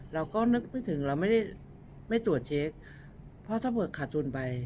เราก็นึกไม่ถึงเราไม่ตรวจเช็คเพราะถ้าเผื่อขาดทุนไป